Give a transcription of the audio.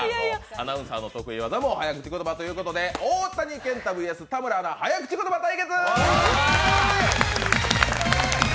アナウンサーの得意技も早口言葉ということで、大谷健太ＶＳ田村アナ、早口対決。